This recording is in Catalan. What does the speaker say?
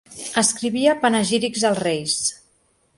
Escrivia panegírics als reis.